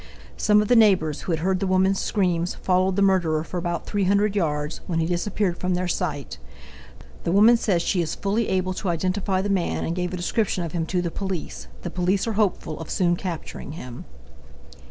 Some of the neighbors, who had heard the woman's screams, followed the murderer for about 300 yards, when he disappeared from their sight. The woman says she is fully able to identify the man and gave a description of him to the police. The police are hopeful of soon capturing him.